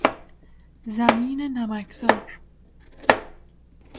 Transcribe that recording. زمین نمک زار